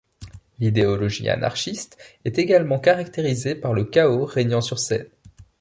L’idéologie anarchiste est également caractérisée par le chaos régnant sur scène.